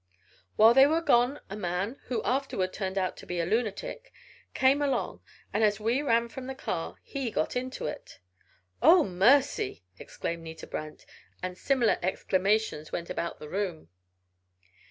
While they were away a man, who afterward turned out to be a lunatic, came along, and as we ran from the car, he got into it." "Oh! mercy!" exclaimed Nita Brant, and similar exclamations went about the room.